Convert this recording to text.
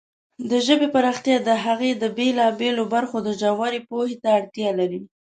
د ژبې پراختیا د هغې د بېلابېلو برخو د ژورې پوهې ته اړتیا لري.